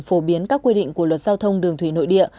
phổ biến các quy định của luật giao thông đường thủy nội địa